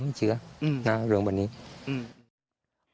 ถ้าวันนี้ไม่ว้ามีคนจึ้อ